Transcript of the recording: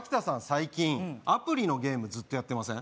最近アプリのゲームずっとやってません？